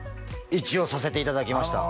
一応させていただきました